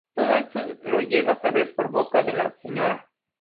Todo esto lo llega a saber por boca de la Sra.